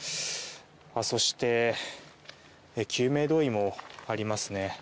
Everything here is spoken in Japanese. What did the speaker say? そして、救命胴衣もありますね。